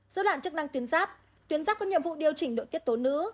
dối loạn chức năng tuyến sáp tuyến sáp có nhiệm vụ điều chỉnh đội tiết tố nữ